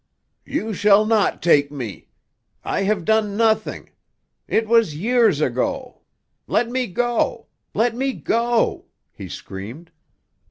"You shall not take me! I have done nothing! It was years ago! Let me go! Let me go!" he screamed.